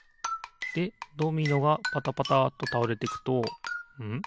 でドミノがパタパタっとたおれていくとん？